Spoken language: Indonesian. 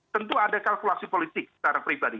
tentu ada kalkulasi politik secara pribadi